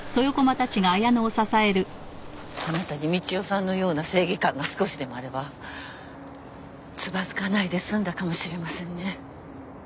あなたに道夫さんのような正義感が少しでもあればつまずかないで済んだかもしれませんね。